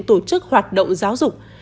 tổ chức hoạt động giáo dục